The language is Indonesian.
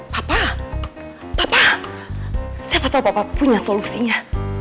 papa papa siapa tau papa punya solusinya